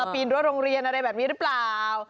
ปีนรั้วโรงเรียนอะไรแบบนี้หรือเปล่า